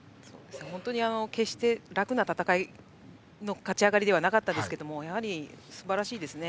本当に決して楽な戦いの勝ち上がりではなかったんですけどすばらしいですよね。